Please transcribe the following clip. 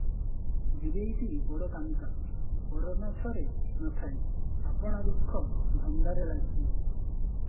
ବୀରେଇଟି ବଡ କାମିକା, ପର ନ-ଛରେ ନ ଥାଏ, ଆପଣା ଦୁଃଖ ଧନ୍ଦାରେ ଲାଗିଥାଏ ।